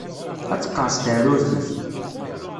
Ad teqqerṣ teɛrurt-ik.